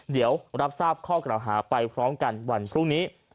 เดี๋ยวรับทราบข้อกล่าวหาไปพร้อมกันวันพรุ่งนี้